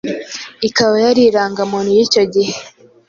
ikaba yari Irangamuntu yicyo gihe